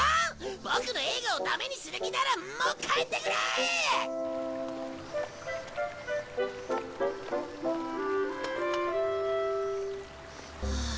ボクの映画をダメにする気ならもう帰ってくれ！はあ。